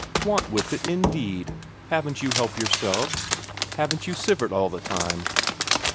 "Want with it, indeed? Haven't you help yourself? Haven't you Sivert all the time?"